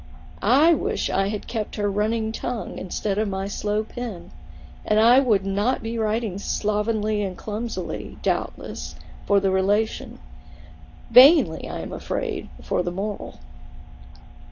I wish I had her running tongue instead of my slow pen, and then I would not be writing slovenly and clumsily, doubtless, for the relation ; vainly, I am afraid, for the moral.